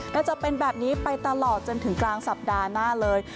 และจะเป็นแบบนี้ไปตลอดจนถึงกลางสัปดาห์หน้าเลย